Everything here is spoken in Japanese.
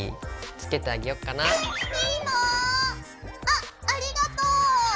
あありがとう。